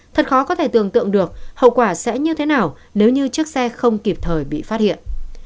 thật khó có thể tưởng tượng được hậu quả sẽ như thế nào nếu như chiếc xe không kịp thời bị phát hiện